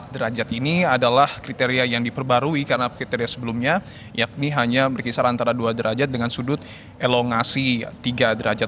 derajat ini adalah kriteria yang diperbarui karena kriteria sebelumnya yakni hanya berkisar antara dua derajat dengan sudut elongasi tiga derajat